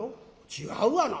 「違うわな。